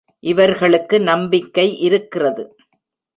இவர்களுக்கு நம்பிக்கை இருக்கிறது.